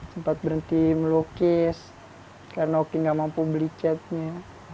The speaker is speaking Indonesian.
sempat berhenti melukis karena oki nggak mampu beli catnya